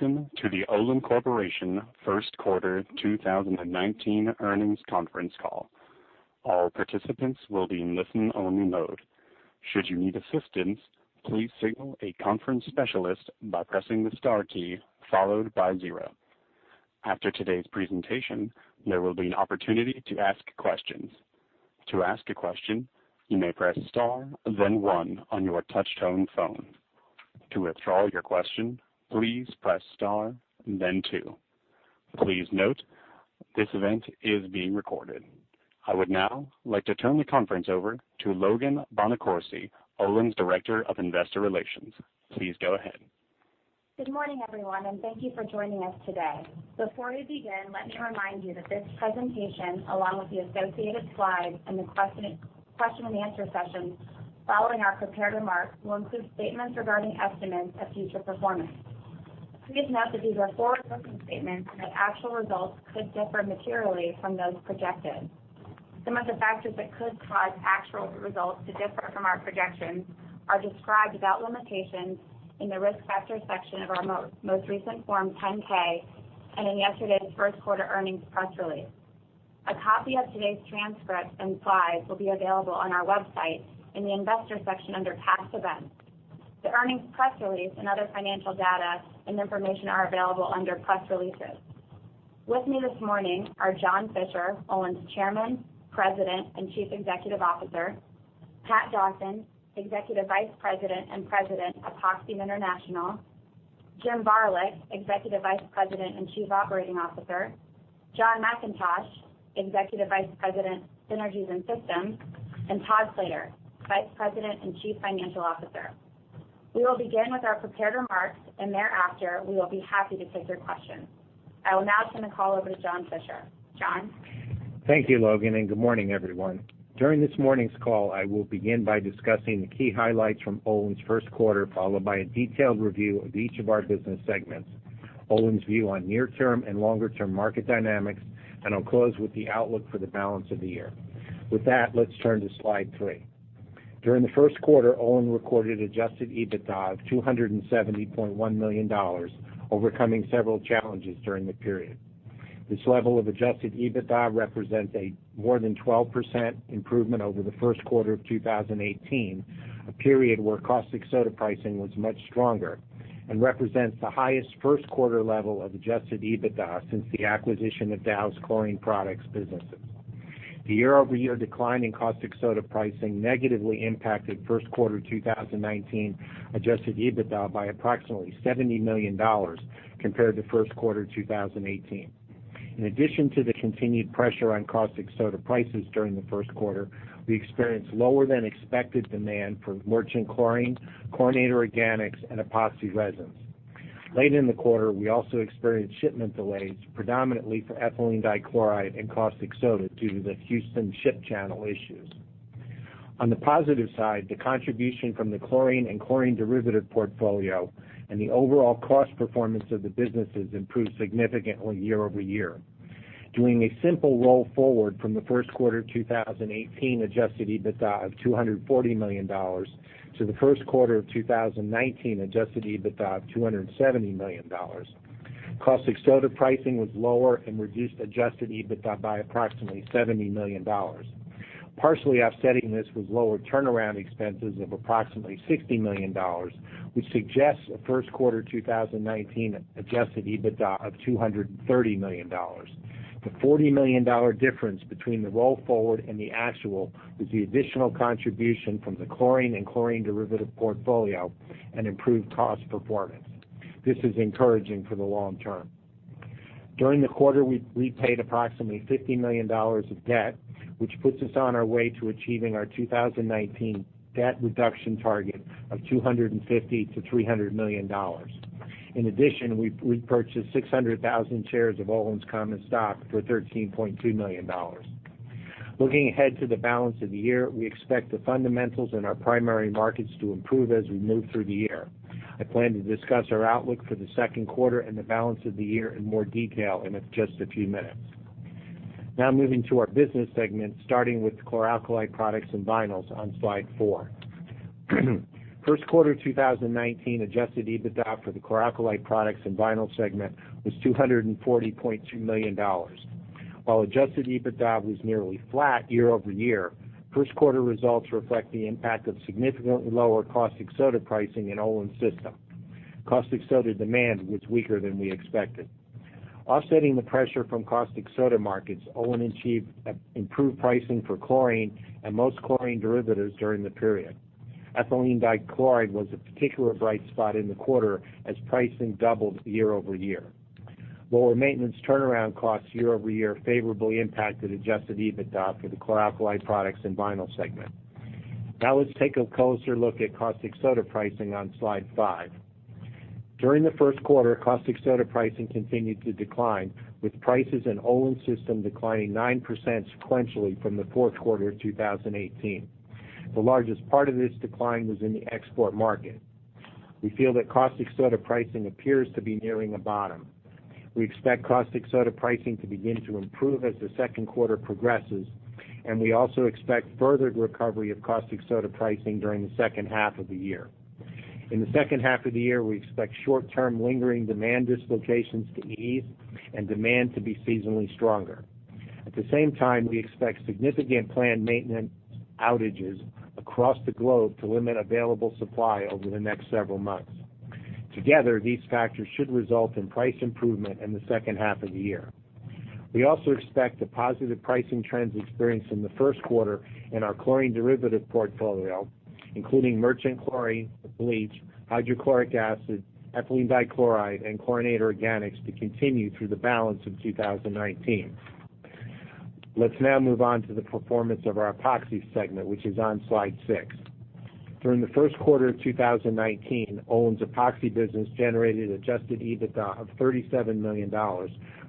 Welcome to the Olin Corporation first quarter 2019 earnings conference call. All participants will be in listen-only mode. Should you need assistance, please signal a conference specialist by pressing the star key followed by zero. After today's presentation, there will be an opportunity to ask questions. To ask a question, you may press star, then one on your touch tone phone. To withdraw your question, please press star, then two. Please note, this event is being recorded. I would now like to turn the conference over to Logan Bonacorsi, Olin's Director of Investor Relations. Please go ahead. Good morning, everyone, and thank you for joining us today. Before we begin, let me remind you that this presentation, along with the associated slides and the question and answer session following our prepared remarks, will include statements regarding estimates of future performance. Please note that these are forward-looking statements, and that actual results could differ materially from those projected. Some of the factors that could cause actual results to differ from our projections are described without limitations in the Risk Factors section of our most recent Form 10-K, and in yesterday's first quarter earnings press release. A copy of today's transcript and slides will be available on our website in the Investors section under Past Events. The earnings press release and other financial data and information are available under Press Releases. With me this morning are John Fischer, Olin's Chairman, President, and Chief Executive Officer. Pat Dawson, Executive Vice President and President of Epoxy International. Jim Varilek, Executive Vice President and Chief Operating Officer. John McIntosh, Executive Vice President, Synergies and Systems. Todd Slater, Vice President and Chief Financial Officer. We will begin with our prepared remarks, and thereafter, we will be happy to take your questions. I will now turn the call over to John Fischer. John? Thank you, Logan, and good morning, everyone. During this morning's call, I will begin by discussing the key highlights from Olin's first quarter, followed by a detailed review of each of our business segments, Olin's view on near term and longer term market dynamics, and I'll close with the outlook for the balance of the year. With that, let's turn to slide three. During the first quarter, Olin recorded adjusted EBITDA of $270.1 million, overcoming several challenges during the period. This level of adjusted EBITDA represents a more than 12% improvement over the first quarter of 2018, a period where caustic soda pricing was much stronger and represents the highest first quarter level of adjusted EBITDA since the acquisition of Dow's Chlorine Products businesses. The year-over-year decline in caustic soda pricing negatively impacted first quarter 2019 adjusted EBITDA by approximately $70 million compared to first quarter 2018. In addition to the continued pressure on caustic soda prices during the first quarter, we experienced lower than expected demand for merchant chlorine, chlorinated organics, and epoxy resins. Late in the quarter, we also experienced shipment delays, predominantly for ethylene dichloride and caustic soda due to the Houston Ship Channel issues. On the positive side, the contribution from the chlorine and chlorine derivative portfolio and the overall cost performance of the businesses improved significantly year-over-year. Doing a simple roll forward from the first quarter 2018 adjusted EBITDA of $240 million to the first quarter of 2019 adjusted EBITDA of $270 million, caustic soda pricing was lower and reduced adjusted EBITDA by approximately $70 million. Partially offsetting this was lower turnaround expenses of approximately $60 million, which suggests a first quarter 2019 adjusted EBITDA of $230 million. The $40 million difference between the roll forward and the actual was the additional contribution from the chlorine and chlorine derivative portfolio and improved cost performance. This is encouraging for the long term. During the quarter, we paid approximately $50 million of debt, which puts us on our way to achieving our 2019 debt reduction target of $250 million-$300 million. In addition, we purchased 600,000 shares of Olin's common stock for $13.2 million. Looking ahead to the balance of the year, we expect the fundamentals in our primary markets to improve as we move through the year. I plan to discuss our outlook for the second quarter and the balance of the year in more detail in just a few minutes. Now moving to our business segment, starting with chlor-alkali products and vinyls on slide four. First quarter 2019 adjusted EBITDA for the chlor-alkali products and vinyls segment was $240.2 million. While adjusted EBITDA was nearly flat year-over-year, first quarter results reflect the impact of significantly lower caustic soda pricing in Olin's system. Caustic soda demand was weaker than we expected. Offsetting the pressure from caustic soda markets, Olin achieved improved pricing for chlorine and most chlorine derivatives during the period. Ethylene dichloride was a particular bright spot in the quarter as pricing doubled year-over-year. Lower maintenance turnaround costs year-over-year favorably impacted adjusted EBITDA for the chlor-alkali products and vinyls segment. Now let's take a closer look at caustic soda pricing on slide five. During the first quarter, caustic soda pricing continued to decline, with prices in Olin's system declining 9% sequentially from the fourth quarter 2018. The largest part of this decline was in the export market. We feel that caustic soda pricing appears to be nearing a bottom. We expect caustic soda pricing to begin to improve as the second quarter progresses, and we also expect further recovery of caustic soda pricing during the second half of the year. In the second half of the year, we expect short-term lingering demand dislocations to ease and demand to be seasonally stronger. At the same time, we expect significant planned maintenance outages across the globe to limit available supply over the next several months. Together, these factors should result in price improvement in the second half of the year. We also expect the positive pricing trends experienced in the first quarter in our chlorine derivative portfolio, including merchant chlorine, bleach, hydrochloric acid, ethylene dichloride, and chlorinated organics, to continue through the balance of 2019. Let's now move on to the performance of our Epoxy segment, which is on slide six. During the first quarter of 2019, Olin's Epoxy business generated adjusted EBITDA of $37 million,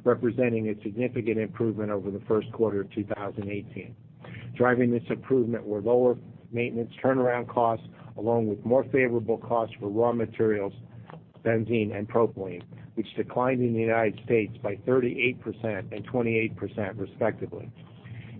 representing a significant improvement over the first quarter of 2018. Driving this improvement were lower maintenance turnaround costs, along with more favorable costs for raw materials, benzene and propylene, which declined in the U.S. by 38% and 28%, respectively.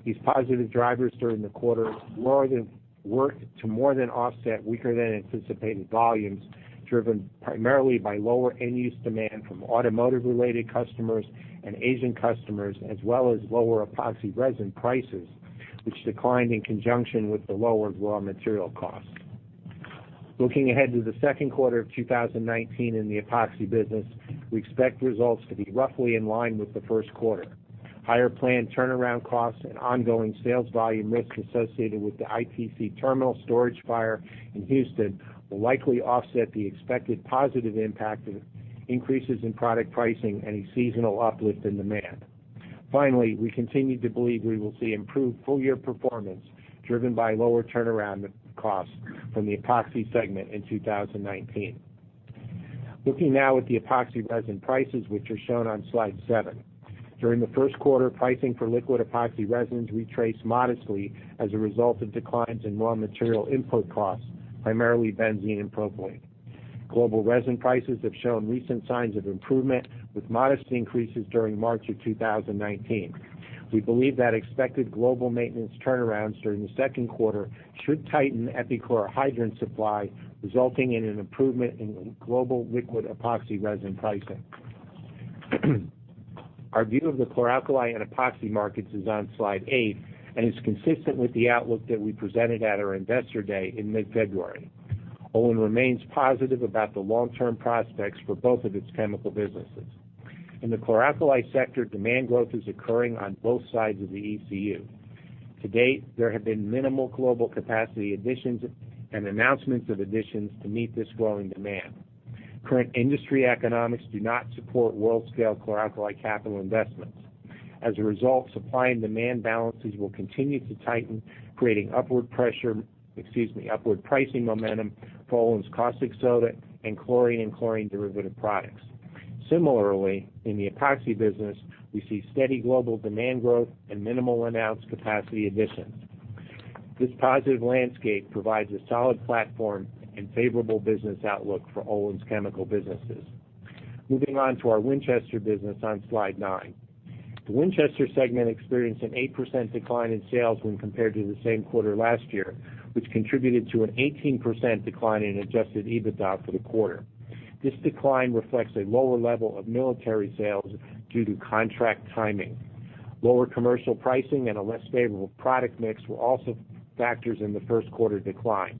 These positive drivers during the quarter worked to more than offset weaker than anticipated volumes, driven primarily by lower end-use demand from automotive-related customers and Asian customers, as well as lower liquid epoxy resin prices, which declined in conjunction with the lower raw material costs. Looking ahead to the second quarter of 2019 in the Epoxy business, we expect results to be roughly in line with the first quarter. Higher planned turnaround costs and ongoing sales volume risks associated with the ITC terminal storage fire in Houston will likely offset the expected positive impact of increases in product pricing and a seasonal uplift in demand. Finally, we continue to believe we will see improved full-year performance driven by lower turnaround costs from the Epoxy segment in 2019. Looking now at the liquid epoxy resin prices, which are shown on slide seven. During the first quarter, pricing for liquid epoxy resins retraced modestly as a result of declines in raw material input costs, primarily benzene and propylene. Global resin prices have shown recent signs of improvement, with modest increases during March of 2019. We believe that expected global maintenance turnarounds during the second quarter should tighten epichlorohydrin supply, resulting in an improvement in global liquid epoxy resin pricing. Our view of the chlor-alkali and Epoxy markets is on slide eight and is consistent with the outlook that we presented at our Investor Day in mid-February. Olin remains positive about the long-term prospects for both of its chemical businesses. In the chlor-alkali sector, demand growth is occurring on both sides of the ECU. To date, there have been minimal global capacity additions and announcements of additions to meet this growing demand. Current industry economics do not support world-scale chlor-alkali capital investments. As a result, supply and demand balances will continue to tighten, creating upward pricing momentum for Olin's caustic soda and chlorine and chlorine derivative products. Similarly, in the Epoxy business, we see steady global demand growth and minimal announced capacity additions. This positive landscape provides a solid platform and favorable business outlook for Olin's chemical businesses. Moving on to our Winchester business on slide nine. The Winchester segment experienced an 8% decline in sales when compared to the same quarter last year, which contributed to an 18% decline in adjusted EBITDA for the quarter. This decline reflects a lower level of military sales due to contract timing. Lower commercial pricing and a less favorable product mix were also factors in the first quarter decline.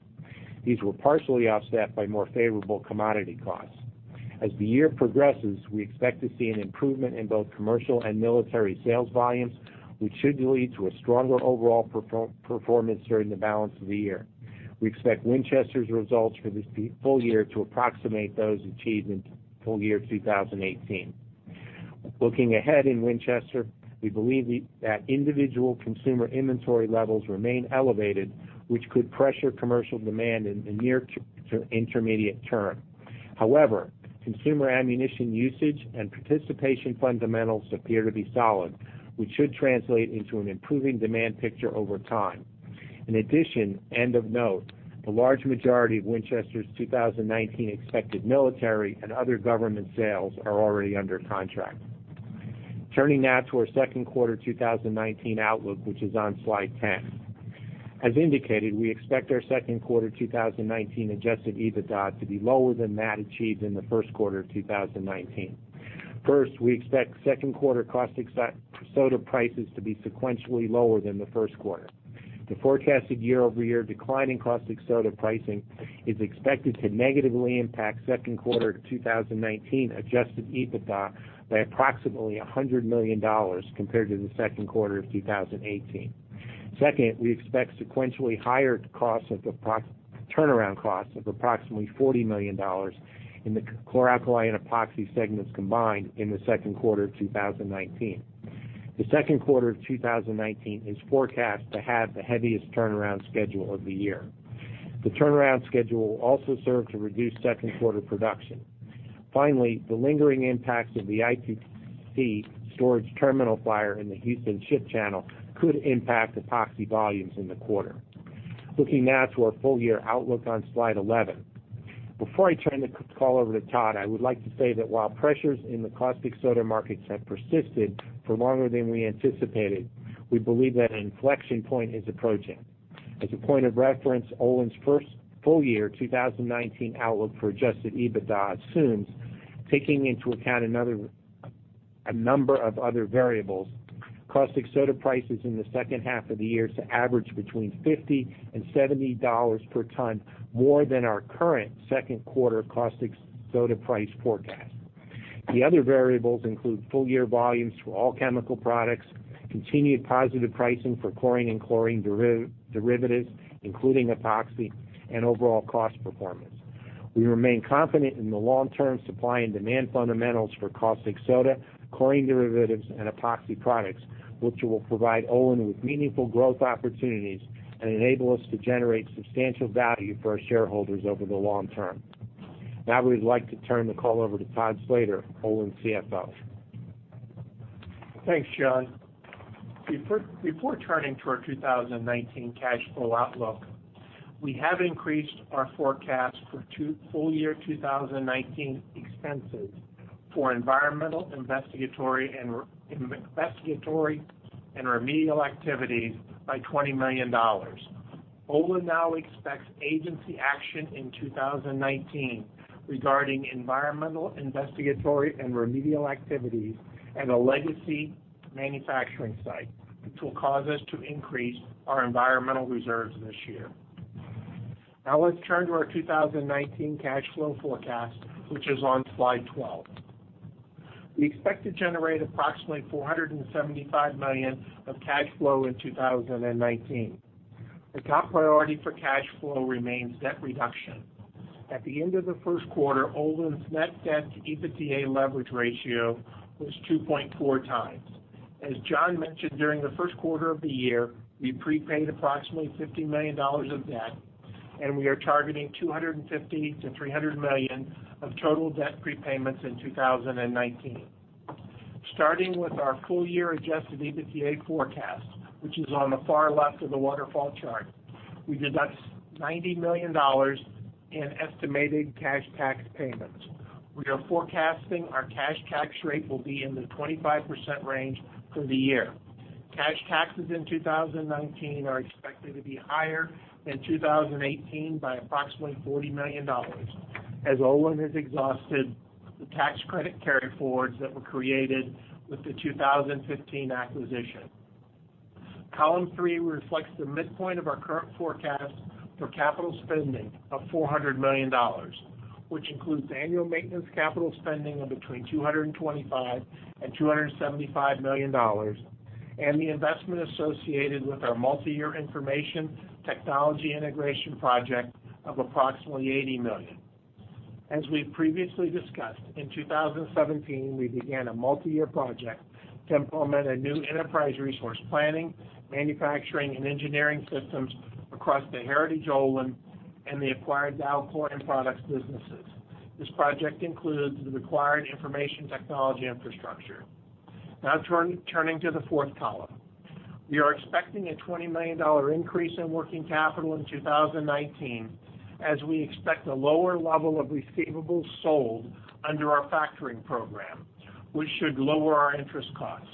These were partially offset by more favorable commodity costs. As the year progresses, we expect to see an improvement in both commercial and military sales volumes, which should lead to a stronger overall performance during the balance of the year. We expect Winchester's results for this full year to approximate those achieved in full year 2018. Looking ahead in Winchester, we believe that individual consumer inventory levels remain elevated, which could pressure commercial demand in the near to intermediate term. Consumer ammunition usage and participation fundamentals appear to be solid, which should translate into an improving demand picture over time. In addition, end of note, the large majority of Winchester's 2019 expected military and other government sales are already under contract. Turning now to our second quarter 2019 outlook, which is on slide 10. As indicated, we expect our second quarter 2019 adjusted EBITDA to be lower than that achieved in the first quarter of 2019. First, we expect second quarter caustic soda prices to be sequentially lower than the first quarter. The forecasted year-over-year decline in caustic soda pricing is expected to negatively impact second quarter 2019 adjusted EBITDA by approximately $100 million compared to the second quarter of 2018. Second, we expect sequentially higher turnaround costs of approximately $40 million in the chloralkali and Epoxy segments combined in the second quarter of 2019. The second quarter of 2019 is forecast to have the heaviest turnaround schedule of the year. The turnaround schedule will also serve to reduce second quarter production. Finally, the lingering impacts of the ITC storage terminal fire in the Houston Ship Channel could impact Epoxy volumes in the quarter. Looking now to our full-year outlook on slide 11. Before I turn the call over to Todd, I would like to say that while pressures in the caustic soda markets have persisted for longer than we anticipated, we believe that an inflection point is approaching. As a point of reference, Olin's first full year 2019 outlook for adjusted EBITDA assumes, taking into account a number of other variables, caustic soda prices in the second half of the year to average between $50 and $70 per ton more than our current second quarter caustic soda price forecast. The other variables include full year volumes for all chemical products, continued positive pricing for chlorine and chlorine derivatives, including epoxy and overall cost performance. We remain confident in the long-term supply and demand fundamentals for caustic soda, chlorine derivatives, and epoxy products, which will provide Olin with meaningful growth opportunities and enable us to generate substantial value for our shareholders over the long term. We would like to turn the call over to Todd Slater, Olin CFO. Thanks, John. Before turning to our 2019 cash flow outlook, we have increased our forecast for two full year 2019 expenses for environmental investigatory and remedial activities by $20 million. Olin now expects agency action in 2019 regarding environmental investigatory and remedial activities at a legacy manufacturing site, which will cause us to increase our environmental reserves this year. Let's turn to our 2019 cash flow forecast, which is on slide 12. We expect to generate approximately $475 million of cash flow in 2019. The top priority for cash flow remains debt reduction. At the end of the first quarter, Olin's net debt to EBITDA leverage ratio was 2.4 times. As John mentioned, during the first quarter of the year, we prepaid approximately $50 million of debt, and we are targeting $250 million-$300 million of total debt prepayments in 2019. Starting with our full year adjusted EBITDA forecast, which is on the far left of the waterfall chart, we deduct $90 million in estimated cash tax payments. We are forecasting our cash tax rate will be in the 25% range for the year. Cash taxes in 2019 are expected to be higher than 2018 by approximately $40 million, as Olin has exhausted the tax credit carry forwards that were created with the 2015 acquisition. Column three reflects the midpoint of our current forecast for capital spending of $400 million, which includes annual maintenance capital spending of between $225 million and $275 million, and the investment associated with our multi-year information technology integration project of approximately $80 million. As we've previously discussed, in 2017, we began a multi-year project to implement a new enterprise resource planning, manufacturing, and engineering systems across the heritage Olin and the acquired Dow Chlorine Products businesses. This project includes the required information technology infrastructure. Turning to the fourth column. We are expecting a $20 million increase in working capital in 2019, as we expect a lower level of receivables sold under our factoring program, which should lower our interest costs.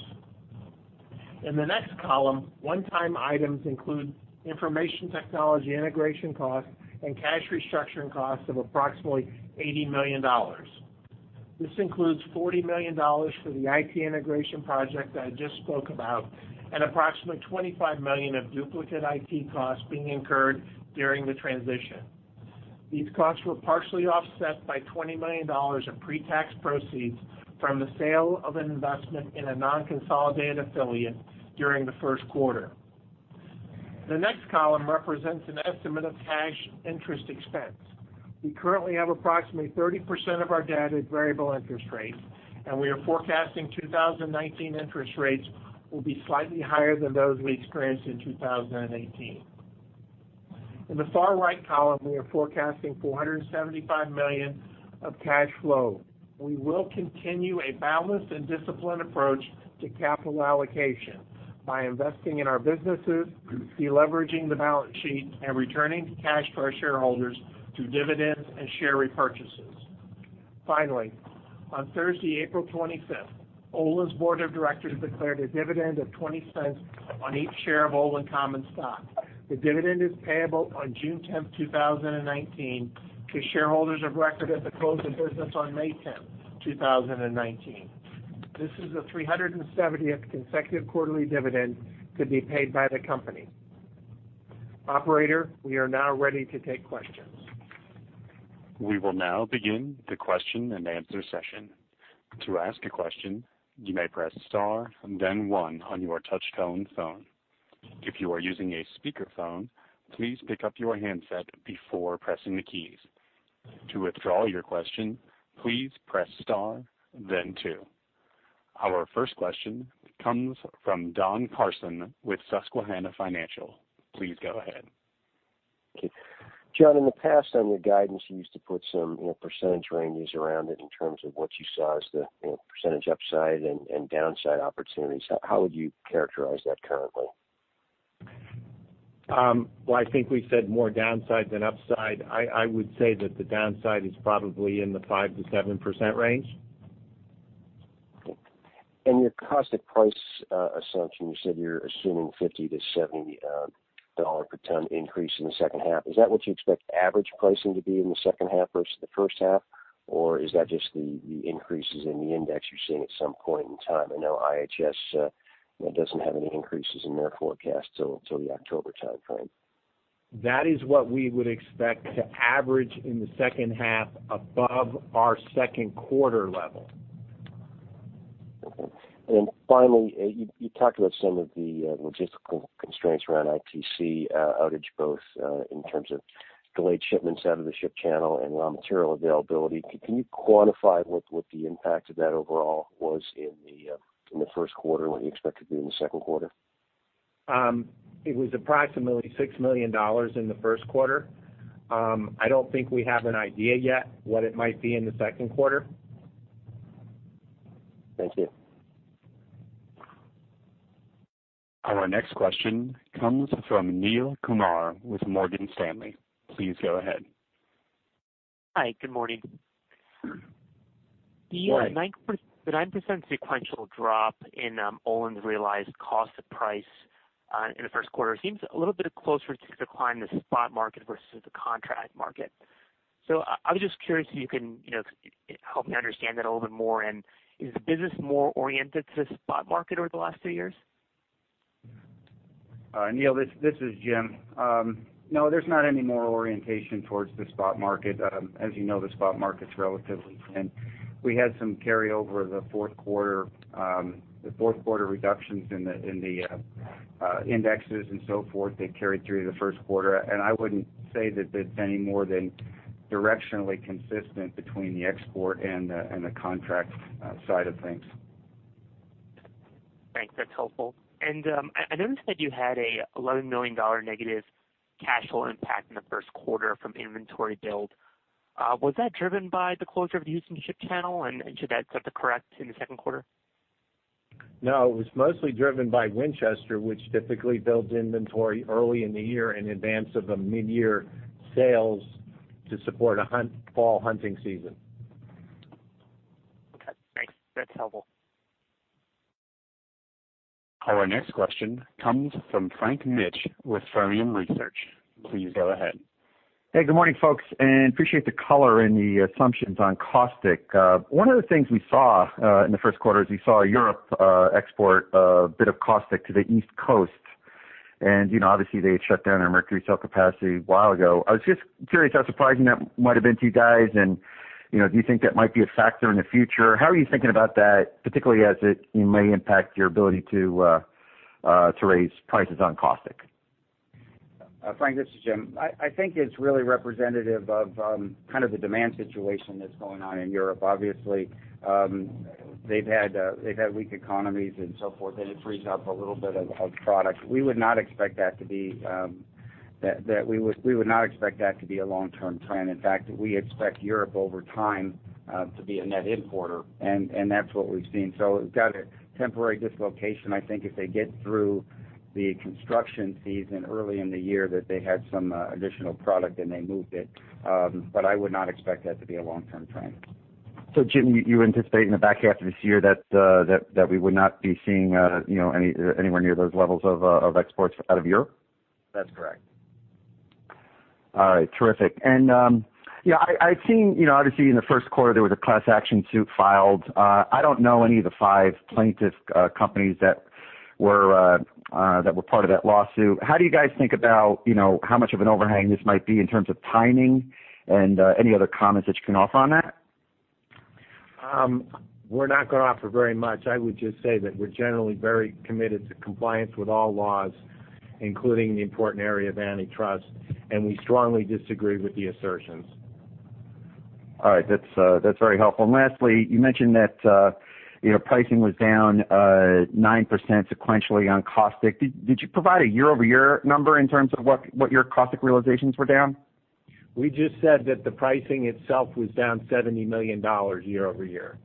In the next column, one-time items include information technology integration costs and cash restructuring costs of approximately $80 million. This includes $40 million for the IT integration project that I just spoke about and approximately $25 million of duplicate IT costs being incurred during the transition. These costs were partially offset by $20 million of pre-tax proceeds from the sale of an investment in a non-consolidated affiliate during the first quarter. The next column represents an estimate of cash interest expense. We currently have approximately 30% of our debt at variable interest rates, we are forecasting 2019 interest rates will be slightly higher than those we experienced in 2018. In the far right column, we are forecasting $475 million of cash flow. We will continue a balanced and disciplined approach to capital allocation by investing in our businesses, de-leveraging the balance sheet, and returning cash to our shareholders through dividends and share repurchases. On Thursday, April 25th, Olin's Board of Directors declared a dividend of $0.20 on each share of Olin common stock. The dividend is payable on June 10th, 2019 to shareholders of record at the close of business on May 10th, 2019. This is the 370th consecutive quarterly dividend to be paid by the company. Operator, we are now ready to take questions. We will now begin the question and answer session. To ask a question, you may press star and then one on your touch tone phone. If you are using a speakerphone, please pick up your handset before pressing the keys. To withdraw your question, please press star, then two. Our first question comes from Don Carson with Susquehanna Financial. Please go ahead. John, in the past on your guidance, you used to put some % ranges around it in terms of what you saw as the % upside and downside opportunities. How would you characterize that currently? Well, I think we said more downside than upside. I would say that the downside is probably in the 5%-7% range. Okay. Your caustic price assumption, you said you're assuming $50-$70 per ton increase in the second half. Is that what you expect average pricing to be in the second half versus the first half? Or is that just the increases in the index you're seeing at some point in time? I know IHS doesn't have any increases in their forecast till the October timeframe. That is what we would expect to average in the second half above our second quarter level. Okay. Finally, you talked about some of the logistical constraints around ITC outage, both in terms of delayed shipments out of the ship channel and raw material availability. Can you quantify what the impact of that overall was in the first quarter and what you expect it to be in the second quarter? It was approximately $6 million in the first quarter. I don't think we have an idea yet what it might be in the second quarter. Thank you. Our next question comes from Neel Kumar with Morgan Stanley. Please go ahead. Hi, good morning. Hi. The 9% sequential drop in Olin's realized cost of price in the first quarter seems a little bit closer to the decline in the spot market versus the contract market. I was just curious if you can help me understand that a little bit more, is the business more oriented to the spot market over the last two years? Neel, this is Jim. No, there's not any more orientation towards the spot market. As you know, the spot market's relatively thin. We had some carryover the fourth quarter reductions in the indexes and so forth. They carried through the first quarter. I wouldn't say that it's any more than directionally consistent between the export and the contract side of things. Thanks. That's helpful. I noticed that you had a $11 million negative cash flow impact in the first quarter from inventory build. Was that driven by the closure of the Houston Ship Channel, should that self-correct in the second quarter? No, it was mostly driven by Winchester, which typically builds inventory early in the year in advance of the mid-year sales to support a fall hunting season. Okay, thanks. That's helpful. Our next question comes from Frank Mitsch with Fermium Research. Please go ahead. Hey, good morning, folks, appreciate the color and the assumptions on caustic. One of the things we saw in the first quarter is we saw Europe export a bit of caustic to the East Coast. Obviously, they had shut down their mercury cell capacity a while ago. I was just curious how surprising that might've been to you guys, and do you think that might be a factor in the future? How are you thinking about that, particularly as it may impact your ability to raise prices on caustic? Frank, this is Jim. I think it's really representative of kind of the demand situation that's going on in Europe. Obviously, they've had weak economies and so forth, and it frees up a little bit of product. We would not expect that to be a long-term trend. In fact, we expect Europe over time to be a net importer, and that's what we've seen. We've got a temporary dislocation. I think if they get through the construction season early in the year that they had some additional product, and they moved it. I would not expect that to be a long-term trend. Jim, you anticipate in the back half of this year that we would not be seeing anywhere near those levels of exports out of Europe? That's correct. All right. Terrific. Yeah, I've seen, obviously in the first quarter, there was a class action suit filed. I don't know any of the five plaintiff companies that were part of that lawsuit. How do you guys think about how much of an overhang this might be in terms of timing and any other comments that you can offer on that? We're not going to offer very much. I would just say that we're generally very committed to compliance with all laws, including the important area of antitrust, and we strongly disagree with the assertions. All right. That's very helpful. Lastly, you mentioned that pricing was down 9% sequentially on caustic. Did you provide a year-over-year number in terms of what your caustic realizations were down? We just said that the pricing itself was down $70 million year-over-year.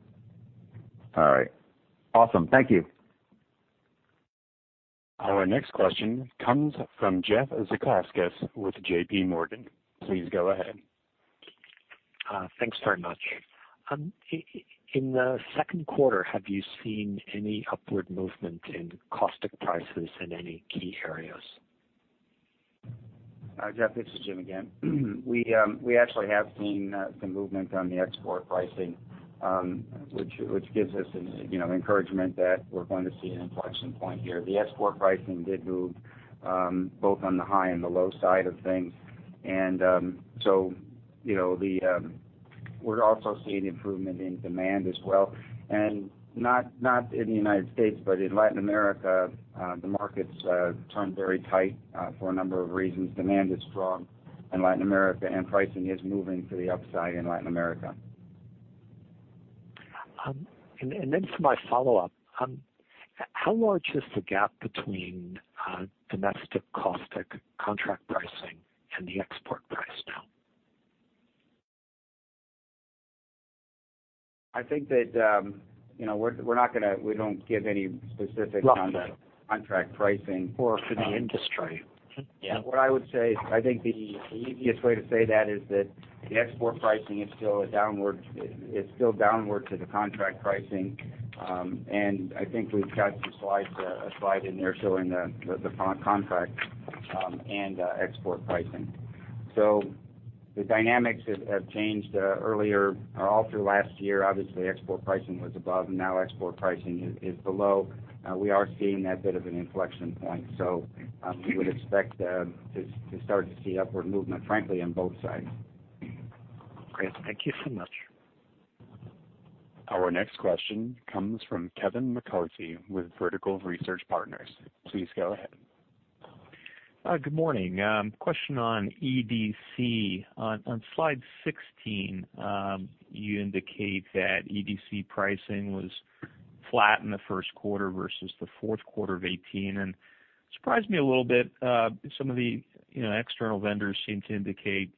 All right. Awesome. Thank you. Our next question comes from Jeff Zekauskas with J.P. Morgan. Please go ahead. Thanks very much. In the second quarter, have you seen any upward movement in caustic prices in any key areas? Jeff, this is Jim again. We actually have seen some movement on the export pricing, which gives us encouragement that we're going to see an inflection point here. The export pricing did move both on the high and the low side of things. We're also seeing improvement in demand as well. Not in the U.S., but in Latin America, the markets turned very tight for a number of reasons. Demand is strong in Latin America, and pricing is moving to the upside in Latin America. For my follow-up, how large is the gap between domestic caustic contract pricing and the export price now? I think that we don't give any specifics on the contract pricing. For the industry. Yeah. What I would say, I think the easiest way to say that is that the export pricing is still downward to the contract pricing. I think we've got a slide in there showing the contract and export pricing. The dynamics have changed. Earlier or all through last year, obviously, export pricing was above, and now export pricing is below. We are seeing that bit of an inflection point, so we would expect to start to see upward movement, frankly, on both sides. Great. Thank you so much. Our next question comes from Kevin McCarthy with Vertical Research Partners. Please go ahead. Good morning. Question on EDC. On slide 16, you indicate that EDC pricing was flat in the first quarter versus the fourth quarter of 2018, and it surprised me a little bit. Some of the external vendors seem to indicate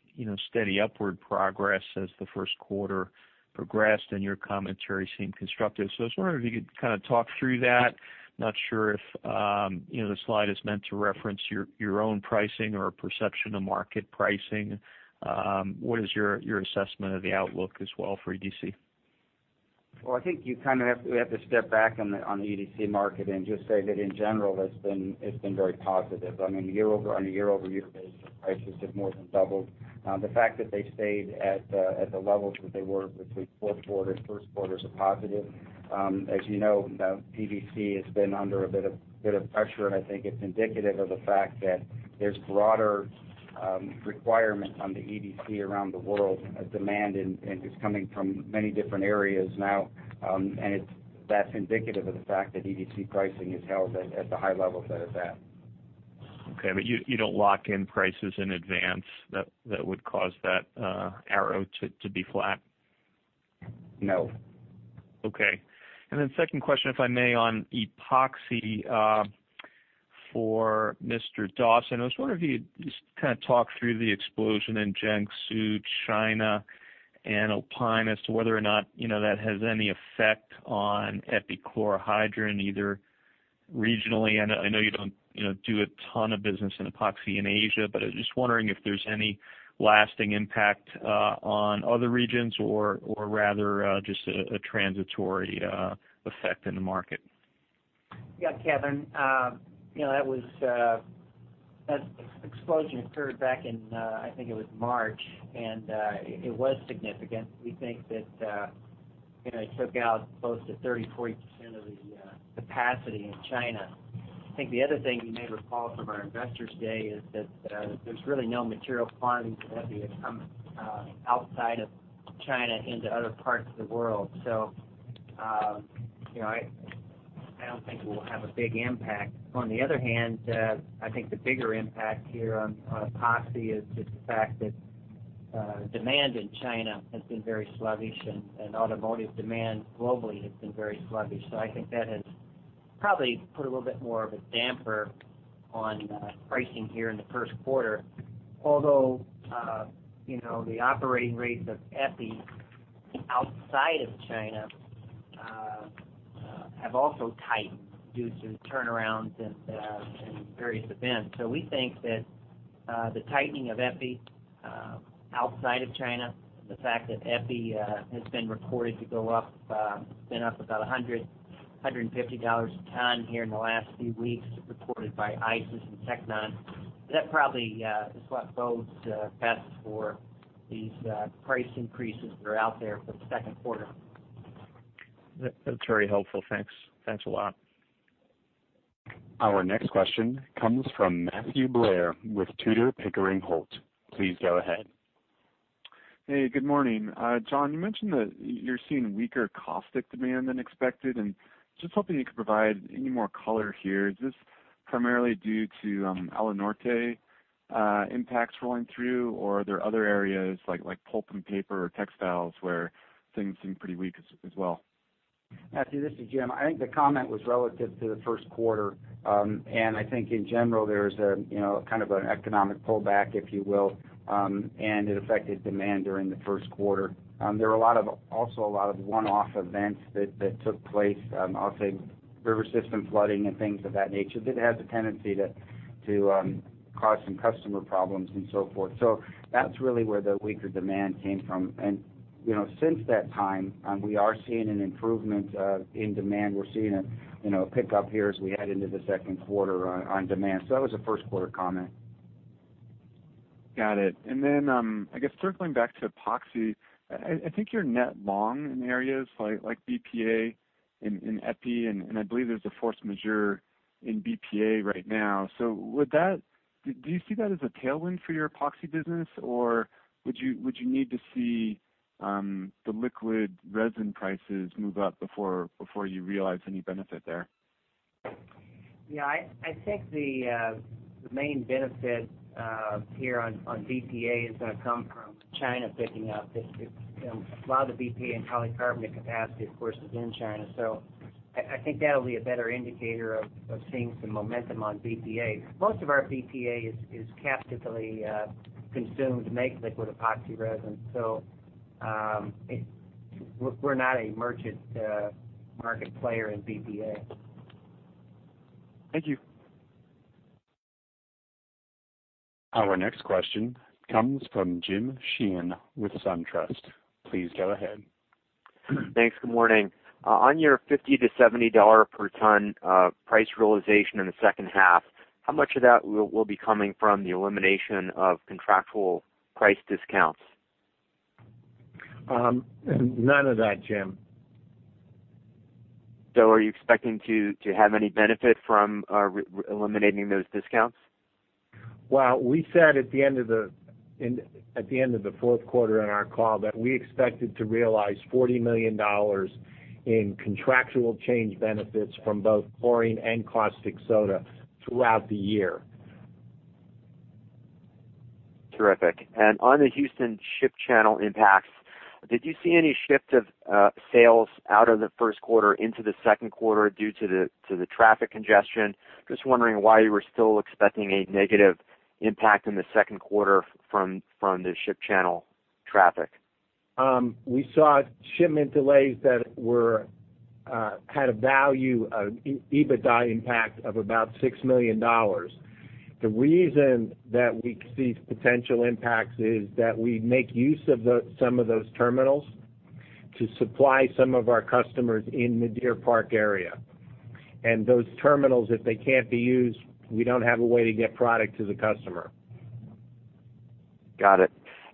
steady upward progress as the first quarter progressed, and your commentary seemed constructive. I was wondering if you could kind of talk through that. Not sure if the slide is meant to reference your own pricing or perception of market pricing. What is your assessment of the outlook as well for EDC? Well, I think we have to step back on the EDC market and just say that in general, it's been very positive. On a year-over-year basis, the prices have more than doubled. The fact that they stayed at the levels that they were between fourth quarter, first quarter is a positive. As you know, PVC has been under a bit of pressure, and I think it's indicative of the fact that there's broader requirement on the EDC around the world, demand, and it's coming from many different areas now. That's indicative of the fact that EDC pricing is held at the high levels that it's at. Okay, you don't lock in prices in advance that would cause that arrow to be flat? No. Okay. Second question, if I may, on epoxy for Mr. Dawson. I was wondering if you'd just kind of talk through the explosion in Jiangsu, China, and Olin as to whether or not that has any effect on epichlorohydrin, either regionally. I know you don't do a ton of business in epoxy in Asia, but I was just wondering if there's any lasting impact on other regions or rather just a transitory effect in the market. Kevin. That explosion occurred back in, I think it was March, and it was significant. We think that it took out close to 30%-40% of the capacity in China. I think the other thing you may recall from our Investor Day is that there's really no material quantities of epi that come outside of China into other parts of the world. I don't think it will have a big impact. On the other hand, I think the bigger impact here on epoxy is just the fact that demand in China has been very sluggish, and automotive demand globally has been very sluggish. I think that has probably put a little bit more of a damper on pricing here in the first quarter. Although the operating rates of epi outside of China have also tightened due to turnarounds and various events. We think that the tightening of epi outside of China, and the fact that epi has been reported to go up, been up about $100-$150 a ton here in the last few weeks, as reported by ICIS and Tecnon, that probably is what bodes best for these price increases that are out there for the second quarter. That's very helpful. Thanks. Thanks a lot. Our next question comes from Matthew Blair with Tudor, Pickering, Holt & Co. Please go ahead. Hey, good morning. John, you mentioned that you're seeing weaker caustic demand than expected, just hoping you could provide any more color here. Is this primarily due to El Niño impacts rolling through, or are there other areas like pulp and paper or textiles where things seem pretty weak as well? Matthew, this is Jim. I think the comment was relative to the first quarter. I think in general, there's kind of an economic pullback, if you will, and it affected demand during the first quarter. There were also a lot of one-off events that took place. I'll say river system flooding and things of that nature that has a tendency to cause some customer problems and so forth. That's really where the weaker demand came from. Since that time, we are seeing an improvement in demand. We're seeing a pickup here as we head into the second quarter on demand. That was a first quarter comment. Got it. Then, I guess circling back to Epoxy, I think you're net long in areas like BPA in epi, and I believe there's a force majeure in BPA right now. Do you see that as a tailwind for your Epoxy business, or would you need to see the liquid resin prices move up before you realize any benefit there? Yeah. I think the main benefit here on BPA is going to come from China picking up. A lot of the BPA and polycarbonate capacity, of course, is in China. I think that'll be a better indicator of seeing some momentum on BPA. Most of our BPA is captively consumed to make liquid epoxy resins. We're not a merchant market player in BPA. Thank you. Our next question comes from Jim Sheehan with SunTrust. Please go ahead. Thanks. Good morning. On your $50-$70 per ton price realization in the second half, how much of that will be coming from the elimination of contractual price discounts? None of that, Jim. Are you expecting to have any benefit from eliminating those discounts? Well, we said at the end of the fourth quarter in our call that we expected to realize $40 million in contractual change benefits from both chlorine and caustic soda throughout the year. Terrific. On the Houston ship channel impacts, did you see any shift of sales out of the first quarter into the second quarter due to the traffic congestion? Just wondering why you were still expecting a negative impact in the second quarter from the ship channel traffic. We saw shipment delays that had a value of EBITDA impact of about $6 million. The reason that we see potential impacts is that we make use of some of those terminals to supply some of our customers in the Deer Park area. Those terminals, if they can't be used, we don't have a way to get product to the customer. Got it.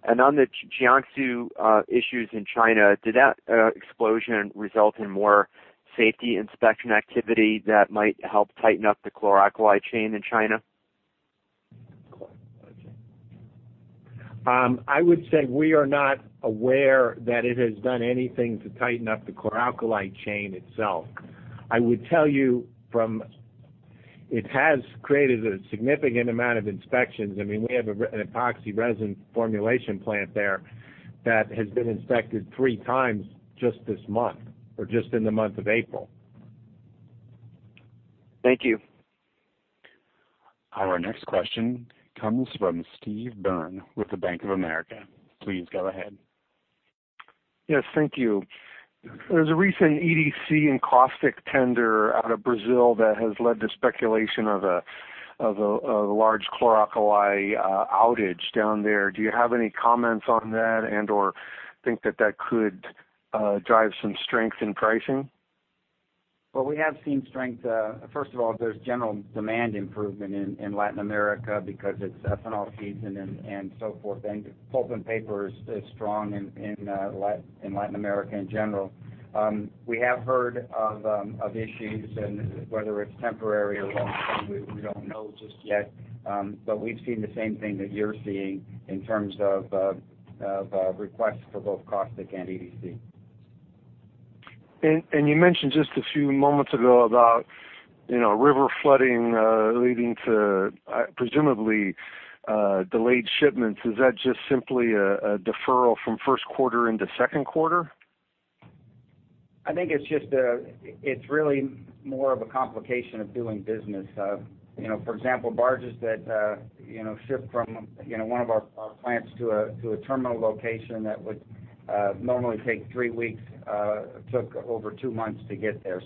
On the Jiangsu issues in China, did that explosion result in more safety inspection activity that might help tighten up the chlor-alkali chain in China? I would say we are not aware that it has done anything to tighten up the chlor-alkali chain itself. It has created a significant amount of inspections. We have an epoxy resin formulation plant there that has been inspected three times just this month or just in the month of April. Thank you. Our next question comes from Steve Byrne with the Bank of America. Please go ahead. Yes. Thank you. There's a recent EDC and caustic tender out of Brazil that has led to speculation of a large chlor-alkali outage down there. Do you have any comments on that and/or think that that could drive some strength in pricing? Well, we have seen strength. First of all, there's general demand improvement in Latin America because it's ethanol season and so forth. Pulp and paper is strong in Latin America in general. We have heard of issues and whether it's temporary or long term, we don't know just yet. We've seen the same thing that you're seeing in terms of requests for both caustic and EDC. You mentioned just a few moments ago about river flooding leading to presumably delayed shipments. Is that just simply a deferral from first quarter into second quarter? I think it's really more of a complication of doing business. For example, barges that ship from one of our plants to a terminal location that would normally take three weeks took over two months to get there.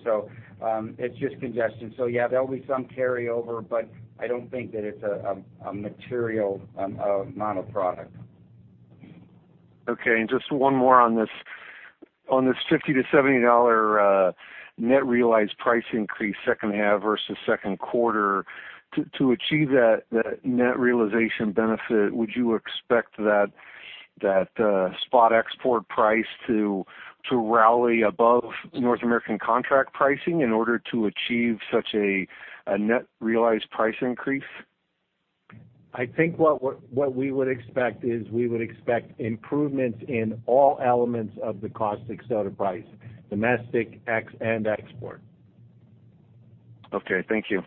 It's just congestion. Yeah, there'll be some carryover, but I don't think that it's a material amount of product. Okay, just one more on this $50 to $70 net realized price increase second half versus second quarter. To achieve that net realization benefit, would you expect that spot export price to rally above North American contract pricing in order to achieve such a net realized price increase? I think what we would expect is we would expect improvements in all elements of the caustic soda price, domestic and export. Okay. Thank you.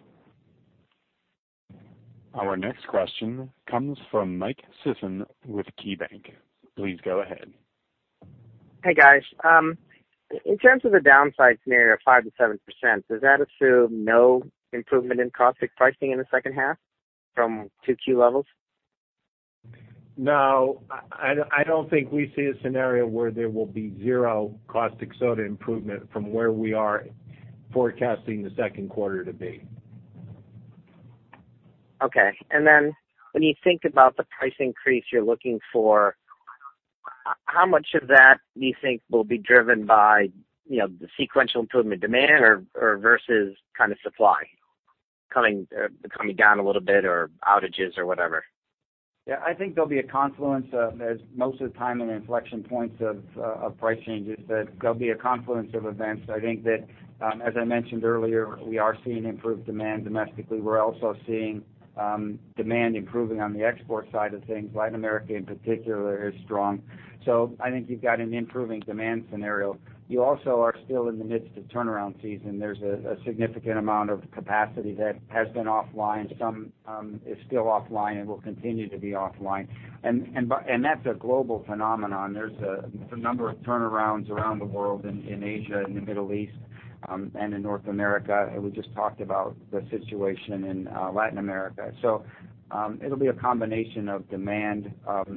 Our next question comes from Mike Sisson with KeyBanc. Please go ahead. Hey, guys. In terms of the downside scenario of 5%-7%, does that assume no improvement in caustic pricing in the second half from 2Q levels? No. I don't think we see a scenario where there will be zero caustic soda improvement from where we are forecasting the second quarter to be. Okay. When you think about the price increase you're looking for, how much of that do you think will be driven by the sequential improvement demand versus supply coming down a little bit or outages or whatever? Yeah, I think there'll be a confluence. As most of the time in inflection points of price changes, there'll be a confluence of events. I think that as I mentioned earlier, we are seeing improved demand domestically. We're also seeing demand improving on the export side of things. Latin America in particular is strong. I think you've got an improving demand scenario. You also are still in the midst of turnaround season. There's a significant amount of capacity that has been offline. Some is still offline and will continue to be offline. That's a global phenomenon. There's a number of turnarounds around the world in Asia and the Middle East and in North America, we just talked about the situation in Latin America. It'll be a combination of demand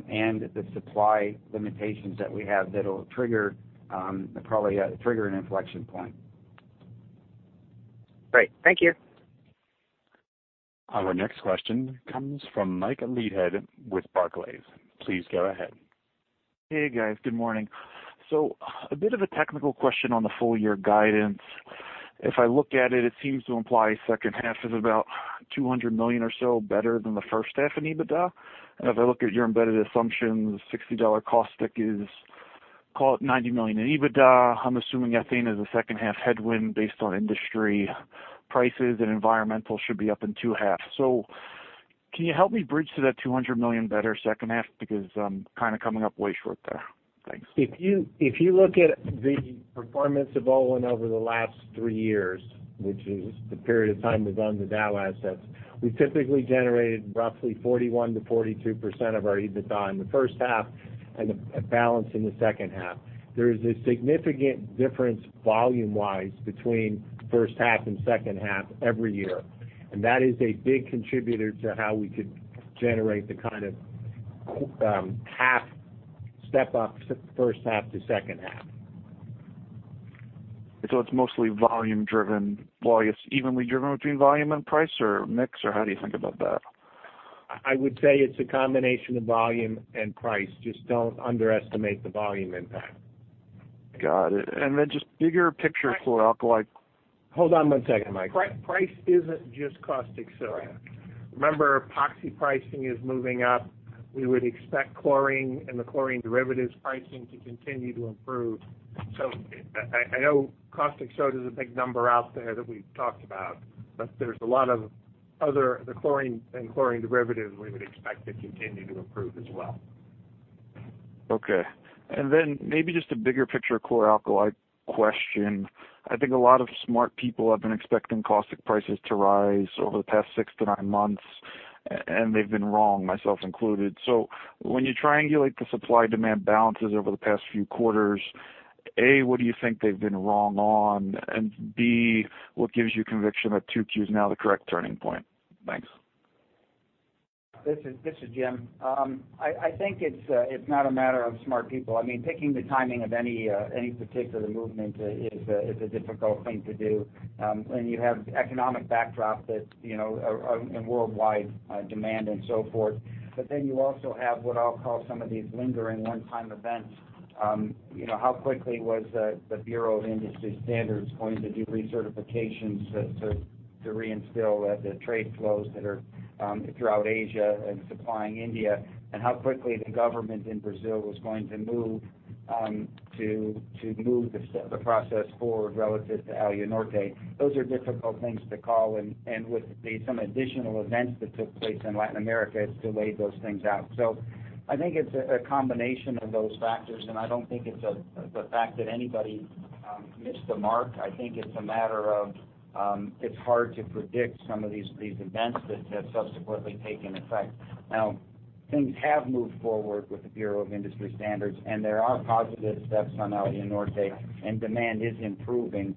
and the supply limitations that we have that'll probably trigger an inflection point. Great. Thank you. Our next question comes from Michael Leithead with Barclays. Please go ahead. Hey, guys. Good morning. A bit of a technical question on the full year guidance. If I look at it seems to imply second half is about $200 million or so better than the first half in EBITDA. If I look at your embedded assumptions, $60 caustic is, call it, $90 million in EBITDA. I'm assuming ethane is a second half headwind based on industry prices and environmental should be up in two halves. Can you help me bridge to that $200 million better second half? Because I'm kind of coming up way short there. Thanks. If you look at the performance of Olin over the last three years, which is the period of time we've owned the Dow assets, we typically generated roughly 41%-42% of our EBITDA in the first half and the balance in the second half. There is a significant difference volume-wise between first half and second half every year. That is a big contributor to how we could generate the kind of half step up first half to second half. It's mostly volume driven. Volume is evenly driven between volume and price or mix, or how do you think about that? I would say it's a combination of volume and price. Just don't underestimate the volume impact. Got it. Just bigger picture chlor-alkali- Hold on one second, Mike. Price isn't just caustic soda. All right. Remember, Epoxy pricing is moving up. We would expect chlorine and the chlorine derivatives pricing to continue to improve. I know caustic soda is a big number out there that we've talked about, but there's a lot of other than chlorine and chlorine derivatives we would expect to continue to improve as well. Okay. Maybe just a bigger picture chlor-alkali question. I think a lot of smart people have been expecting caustic prices to rise over the past 6-9 months, and they've been wrong, myself included. When you triangulate the supply-demand balances over the past few quarters, A, what do you think they've been wrong on? B, what gives you conviction that 2Q is now the correct turning point? Thanks. This is Jim. I think it's not a matter of smart people. Picking the timing of any particular movement is a difficult thing to do. You have economic backdrop that, in worldwide demand and so forth. You also have what I'll call some of these lingering one-time events. How quickly was the Bureau of Industry and Security going to do recertifications to reinstill the trade flows that are throughout Asia and supplying India, how quickly the government in Brazil was going to move to move the process forward relative to Alunorte. Those are difficult things to call, with the some additional events that took place in Latin America, it's delayed those things out. I think it's a combination of those factors, I don't think it's the fact that anybody missed the mark. I think it's a matter of it's hard to predict some of these events that have subsequently taken effect. Now, things have moved forward with the Bureau of Industry and Security, there are positive steps on Alunorte, demand is improving.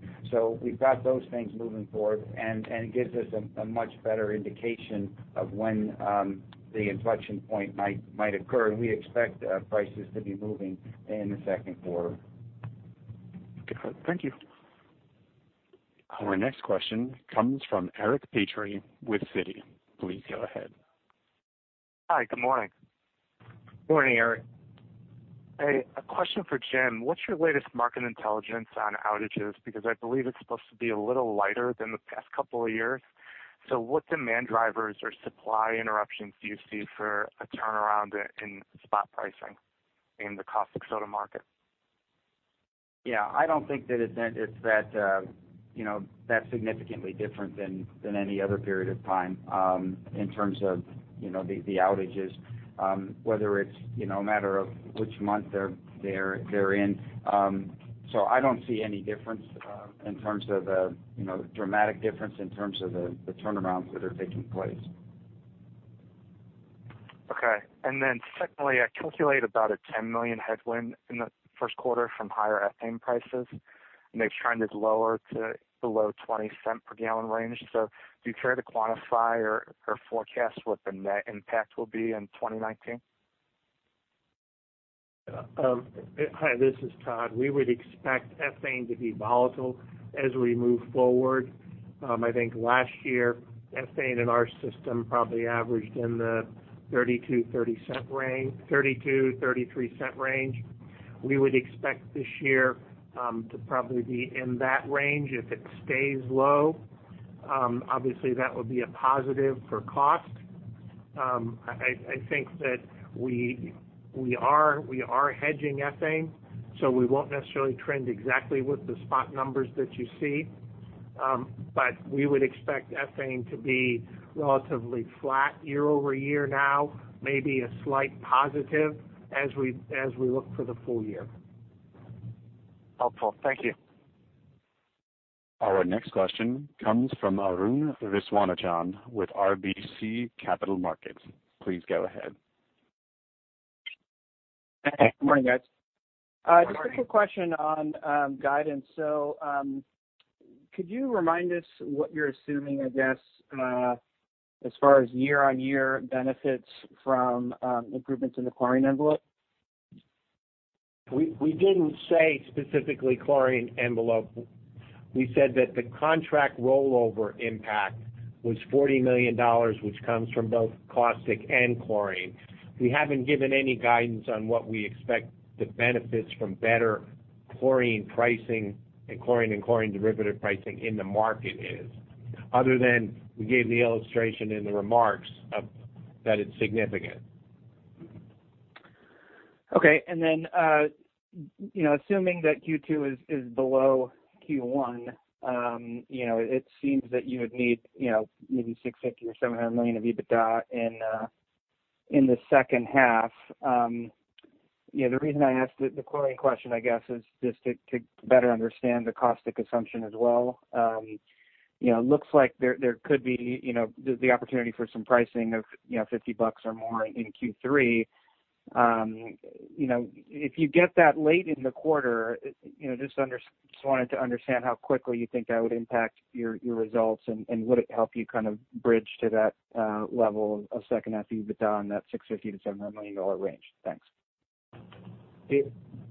We've got those things moving forward, it gives us a much better indication of when the inflection point might occur. We expect prices to be moving in the second quarter. Okay. Thank you. Our next question comes from Eric Petrie with Citi. Please go ahead. Hi. Good morning. Morning, Eric. Hey, a question for Jim. What's your latest market intelligence on outages? I believe it's supposed to be a little lighter than the past couple of years. What demand drivers or supply interruptions do you see for a turnaround in spot pricing in the caustic soda market? Yeah, I don't think that it's that significantly different than any other period of time in terms of the outages, whether it's a matter of which month they're in. I don't see any dramatic difference in terms of the turnarounds that are taking place. Okay. Secondly, I calculate about a $10 million headwind in the first quarter from higher ethane prices. They've trended lower to below $0.20 per gallon range. Do you care to quantify or forecast what the net impact will be in 2019? Hi, this is Todd. We would expect ethane to be volatile as we move forward. I think last year, ethane in our system probably averaged in the $0.32-$0.33 range. We would expect this year to probably be in that range. If it stays low, obviously that would be a positive for cost. I think that we are hedging ethane, we won't necessarily trend exactly with the spot numbers that you see. We would expect ethane to be relatively flat year-over-year now, maybe a slight positive as we look for the full year. Helpful. Thank you. Our next question comes from Arun Viswanathan with RBC Capital Markets. Please go ahead. Good morning, guys. Good morning. Just a quick question on guidance. Could you remind us what you're assuming, I guess, as far as year-on-year benefits from improvements in the chlorine envelope? We didn't say specifically chlorine envelope. We said that the contract rollover impact was $40 million, which comes from both caustic and chlorine. We haven't given any guidance on what we expect the benefits from better chlorine pricing and chlorine and chlorine derivative pricing in the market is, other than we gave the illustration in the remarks that it's significant. Okay. Then assuming that Q2 is below Q1, it seems that you would need maybe $650 million or $700 million of EBITDA in the second half. The reason I asked the chlorine question, I guess, is just to better understand the caustic assumption as well. It looks like there could be the opportunity for some pricing of $50 or more in Q3. If you get that late in the quarter, just wanted to understand how quickly you think that would impact your results, and would it help you kind of bridge to that level of second half EBITDA in that $650 million to $700 million range? Thanks.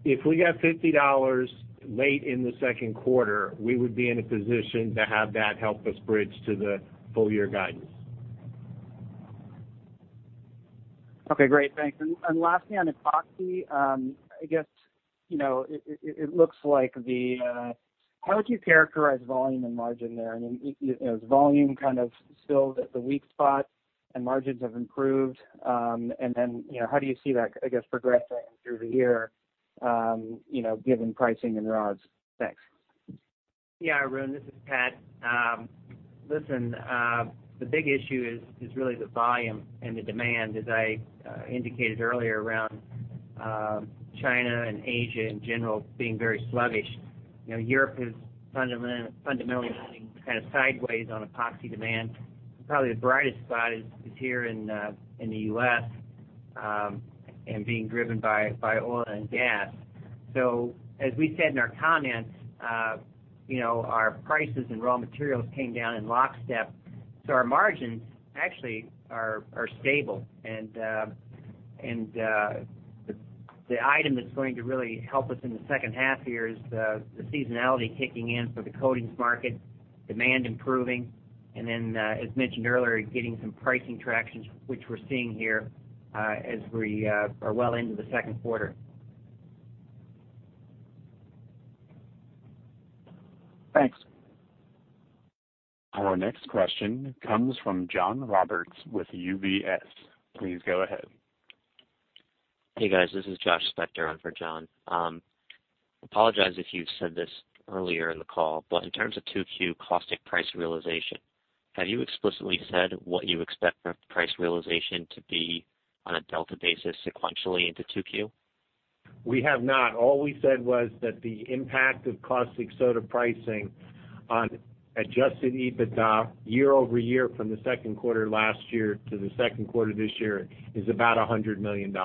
If we got $50 late in the second quarter, we would be in a position to have that help us bridge to the full year guidance. Okay, great. Thanks. Lastly, on Epoxy, I guess it looks like How would you characterize volume and margin there? I mean, is volume kind of still the weak spot and margins have improved? Then, how do you see that, I guess, progressing through the year given pricing and raws? Thanks. Yeah, Arun, this is Pat. Listen, the big issue is really the volume and the demand, as I indicated earlier, around China and Asia in general being very sluggish. Europe is fundamentally sitting kind of sideways on Epoxy demand. Probably the brightest spot is here in the U.S. and being driven by oil and gas. As we said in our comments, our prices and raw materials came down in lockstep. Our margins actually are stable. The item that's going to really help us in the second half here is the seasonality kicking in for the coatings market, demand improving, and then as mentioned earlier, getting some pricing tractions, which we're seeing here as we are well into the second quarter. Thanks. Our next question comes from John Roberts with UBS. Please go ahead. Hey, guys. This is Joshua Spector on for John. Apologize if you've said this earlier in the call, but in terms of 2Q caustic price realization, have you explicitly said what you expect the price realization to be on a delta basis sequentially into 2Q? We have not. All we said was that the impact of caustic soda pricing on adjusted EBITDA year-over-year from the second quarter last year to the second quarter this year is about $100 million.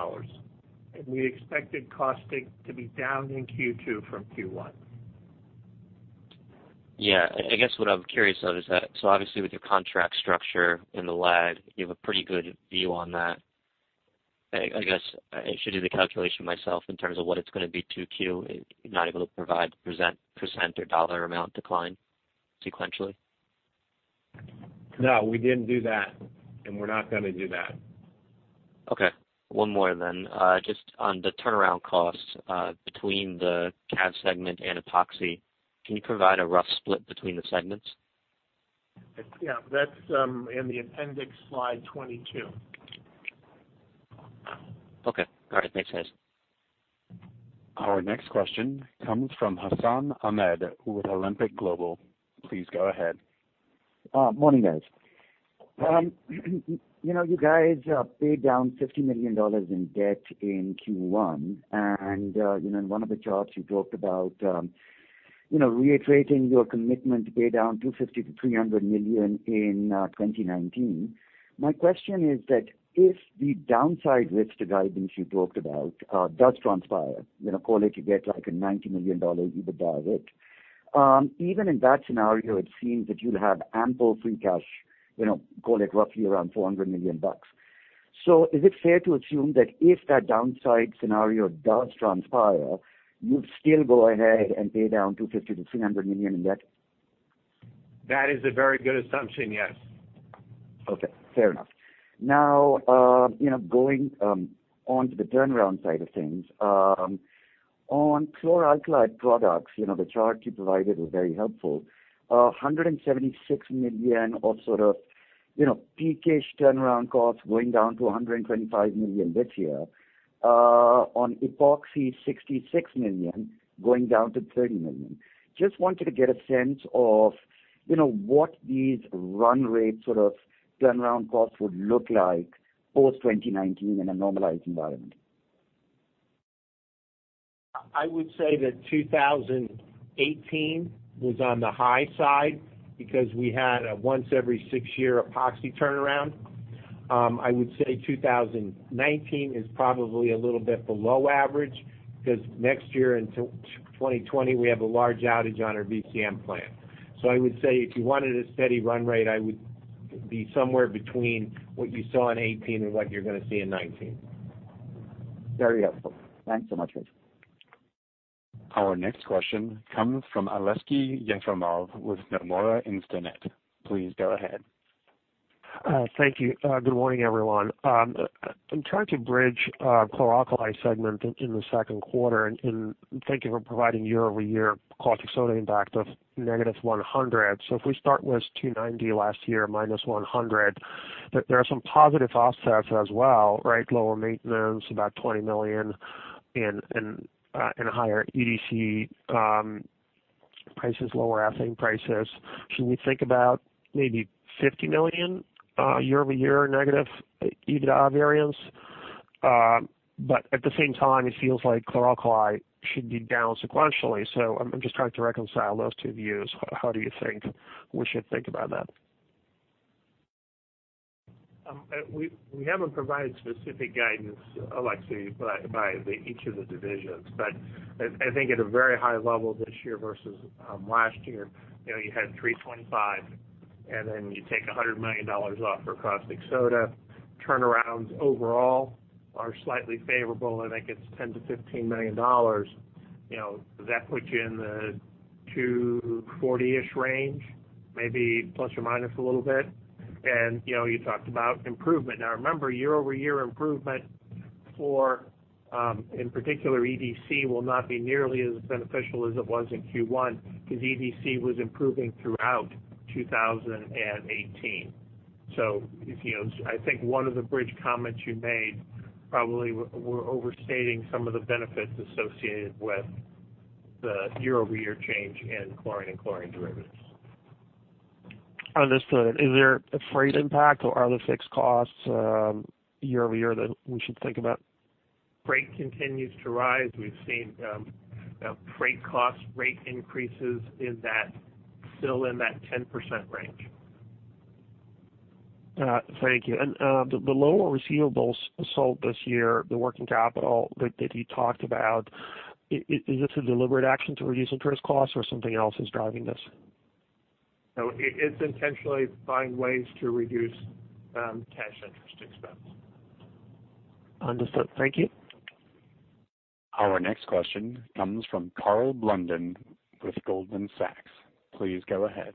We expected caustic to be down in Q2 from Q1. Yeah. I guess what I'm curious of is that, obviously with your contract structure and the lag, you have a pretty good view on that. I guess I should do the calculation myself in terms of what it's going to be 2Q, not able to provide % or $ amount decline sequentially. No, we didn't do that, we're not going to do that. Okay. One more. Just on the turnaround costs between the CAV segment and Epoxy, can you provide a rough split between the segments? Yeah, that's in the appendix, slide 22. Okay, got it. Thanks, guys. Our next question comes from Hassan Ahmed with Alembic Global. Please go ahead. Morning, guys. You guys paid down $50 million in debt in Q1. In one of the charts, you talked about reiterating your commitment to pay down $250 million-$300 million in 2019. My question is that if the downside risk to guidance you talked about does transpire, call it you get like a $90 million EBITDA of it. Even in that scenario, it seems that you'll have ample free cash, call it roughly around $400 million. Is it fair to assume that if that downside scenario does transpire, you'd still go ahead and pay down $250 million-$300 million in debt? That is a very good assumption, yes. Okay, fair enough. Going onto the turnaround side of things. On chlor-alkali products, the chart you provided was very helpful. $176 million of sort of peak-ish turnaround costs going down to $125 million this year. On Epoxy, $66 million going down to $30 million. Just wanted to get a sense of what these run rate sort of turnaround costs would look like post 2019 in a normalized environment. I would say that 2018 was on the high side because we had a once every six year epoxy turnaround. I would say 2019 is probably a little bit below average because next year into 2020, we have a large outage on our VCM plant. I would say if you wanted a steady run rate, I would be somewhere between what you saw in '18 or what you're going to see in '19. Very helpful. Thanks so much, John. Our next question comes from Aleksey Yefremov with Nomura Instinet. Please go ahead. Thank you. Good morning, everyone. In trying to bridge chlor-alkali segment in the second quarter, thank you for providing year-over-year caustic soda impact of negative $100 million. If we start with $290 million last year minus $100 million, there are some positive offsets as well, right? Lower maintenance, about $20 million, and higher EDC prices, lower ethane prices. Should we think about maybe $50 million year-over-year negative EBITDA variance? At the same time, it feels like chlor-alkali should be down sequentially. I'm just trying to reconcile those two views. How do you think we should think about that? We haven't provided specific guidance, Aleksey, by each of the divisions. I think at a very high level this year versus last year, you had $325 million, and then you take $100 million off for caustic soda. Turnarounds overall are slightly favorable. I think it's $10 million to $15 million. That puts you in the $240 million-ish range, maybe plus or minus a little bit. You talked about improvement. Remember, year-over-year improvement for, in particular, EDC will not be nearly as beneficial as it was in Q1 because EDC was improving throughout 2018. I think one of the bridge comments you made probably were overstating some of the benefits associated with the year-over-year change in chlorine and chlorine derivatives. Understood. Is there a freight impact or are there fixed costs year-over-year that we should think about? Freight continues to rise. We've seen freight cost rate increases still in that 10% range. Thank you. The lower receivables sold this year, the working capital that you talked about, is this a deliberate action to reduce interest costs or something else is driving this? No, it is intentionally finding ways to reduce cash interest expense. Understood. Thank you. Our next question comes from Karl Blunden with Goldman Sachs. Please go ahead.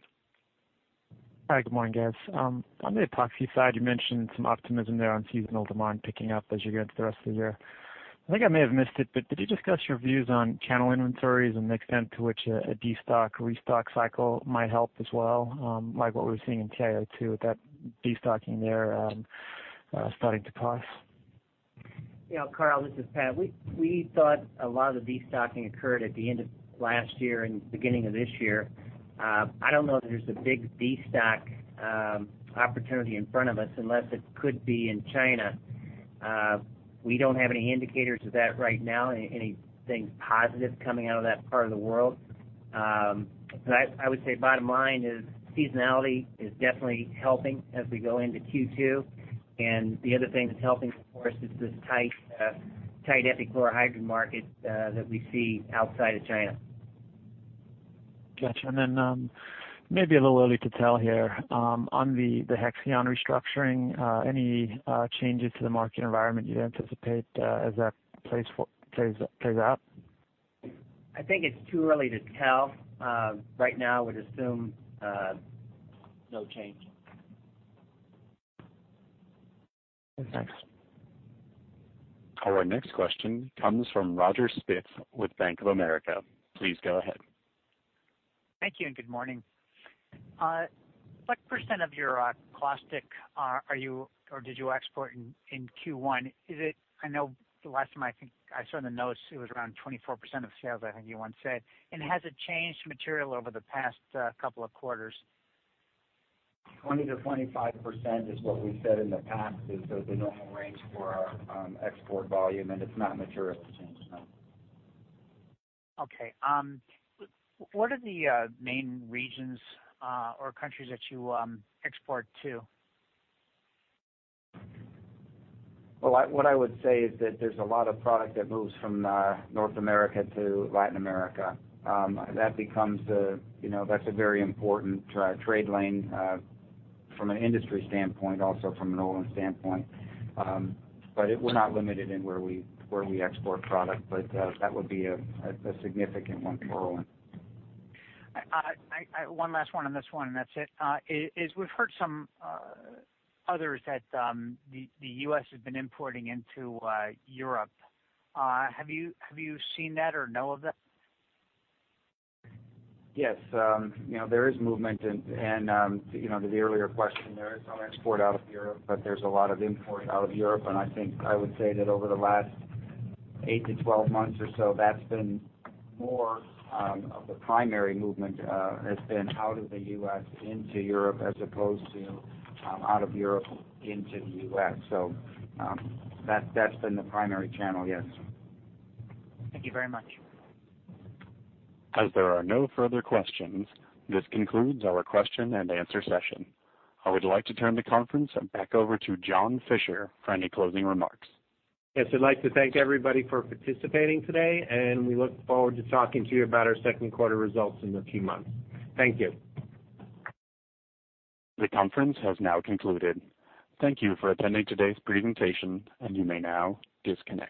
Hi, good morning, guys. On the Epoxy side, you mentioned some optimism there on seasonal demand picking up as you go into the rest of the year. I think I may have missed it, but did you discuss your views on channel inventories and the extent to which a destock, restock cycle might help as well? Like what we're seeing in TiO2 with that destocking there starting to pause. Karl, this is Pat. We thought a lot of the destocking occurred at the end of last year and beginning of this year. I don't know that there's a big destock opportunity in front of us unless it could be in China. We don't have any indicators of that right now, anything positive coming out of that part of the world. I would say bottom line is seasonality is definitely helping as we go into Q2. The other thing that's helping, of course, is this tight epichlorohydrin market that we see outside of China. Got you. Then, maybe a little early to tell here. On the Hexion restructuring, any changes to the market environment you'd anticipate as that plays out? I think it's too early to tell. Right now, we'd assume no change. Thanks. Our next question comes from Roger Spitz with Bank of America. Please go ahead. Thank you. Good morning. What % of your caustics are you or did you export in Q1? I know the last time I think I saw the notes, it was around 24% of sales, I think you once said. Has it changed material over the past couple of quarters? 20%-25% is what we've said in the past is the normal range for our export volume. It's not materially changed, no. Okay. What are the main regions or countries that you export to? What I would say is that there's a lot of product that moves from North America to Latin America. That's a very important trade lane from an industry standpoint, also from an Olin standpoint. We're not limited in where we export product, but that would be a significant one for Olin. One last one on this one, that's it. We've heard some others that the U.S. has been importing into Europe. Have you seen that or know of that? Yes. There is movement, to the earlier question, there is some export out of Europe, there's a lot of import out of Europe. I think I would say that over the last 8 to 12 months or so, that's been more of the primary movement has been out of the U.S. into Europe as opposed to out of Europe into the U.S. That's been the primary channel, yes. Thank you very much. As there are no further questions, this concludes our question and answer session. I would like to turn the conference back over to John Fischer for any closing remarks. Yes, I'd like to thank everybody for participating today, and we look forward to talking to you about our second quarter results in a few months. Thank you. The conference has now concluded. Thank you for attending today's presentation, and you may now disconnect.